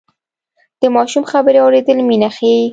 د ماشوم خبرې اورېدل مینه ښيي.